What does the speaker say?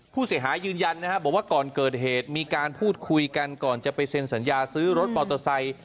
ผู้เสียหายยืนยันนะครับบอกว่าก่อนเกิดเหตุมีการพูดคุยกันก่อนจะไปเซ็นสัญญาซื้อรถมอเตอร์ไซค์